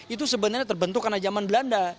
itu sebenarnya terbentuk karena zaman belanda